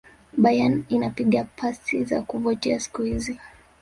bayern inapiga pasi za kuvutia siku hizi